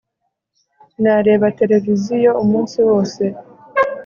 nareba televiziyo umunsi wose